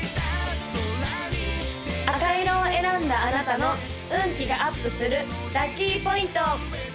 赤色を選んだあなたの運気がアップするラッキーポイント！